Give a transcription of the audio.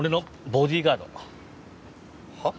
ボディーガード？